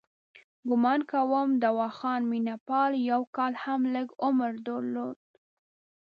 ګومان کوم دواخان مینه پال یو کال هم لږ عمر درلود.